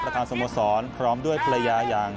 ประธานสมสรรค์พร้อมด้วยประหลายาอย่าง